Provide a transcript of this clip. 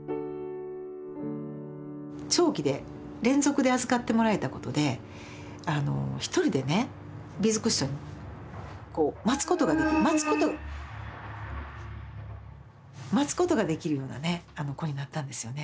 長期で連続で預かってもらえたことで１人でねビーズクッション待つことができる待つこと待つことができるようなね子になったんですよね。